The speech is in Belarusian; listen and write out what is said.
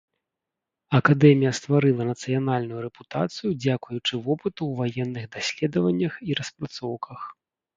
Акадэмія стварыла нацыянальную рэпутацыю дзякуючы вопыту ў ваенных даследаваннях і распрацоўках.